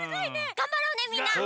がんばろうねみんな！